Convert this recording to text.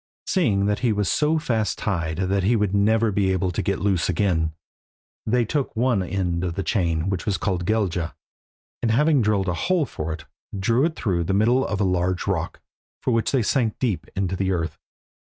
Seeing that he was so fast tied that he would never be able to get loose again, they took one end of the chain, which was called Gelgja, and having drilled a hole for it, drew it through the middle of a large broad rock, which they sank very deep in the earth.